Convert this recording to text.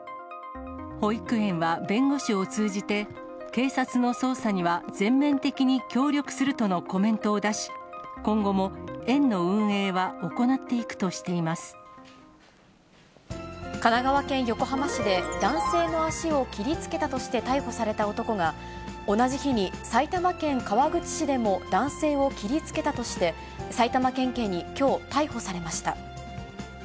保育園は弁護士を通じて、警察の捜査には全面的に協力するとのコメントを出し、今後も園の神奈川県横浜市で、男性の足を切りつけたとして逮捕された男が、同じ日に埼玉県川口市でも男性を切りつけたとして、埼玉県警にきょう、逮捕されました。